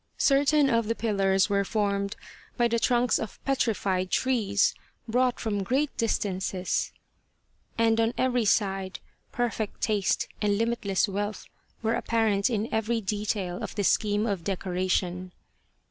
Certain of the pillars were formed by the trunks of petrified trees, brought from great distances, and on every side perfect taste and limitless wealth were apparent in every detail of the scheme of decoration.